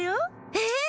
えっ？